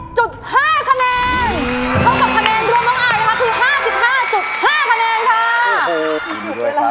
มีจุดให้ด้วย